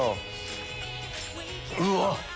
うわっ！